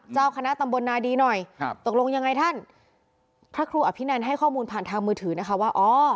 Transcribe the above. เจ้าคณะตำบลนาดีหน่อยครับตกลงยังไงท่านพระครูอภินันให้ข้อมูลผ่านทางมือถือนะคะว่าอ๋อ